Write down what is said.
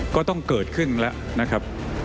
ก็ต้องเกิดขึ้นแล้วนะครับ